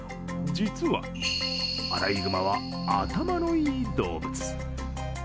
実はアライグマは頭のいい動物。